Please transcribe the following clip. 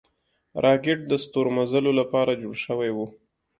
راکټ د ستورمزلو له پاره جوړ شوی و